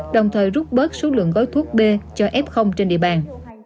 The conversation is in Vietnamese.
đồng thời rút bớt số lượng gói thuốc b cho f trên địa bàn